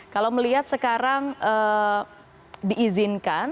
kalau melihat sekarang diizinkan